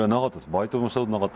バイトもしたことなかったですし。